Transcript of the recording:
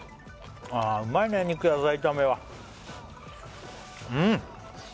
ああうまいね肉野菜炒めはうん！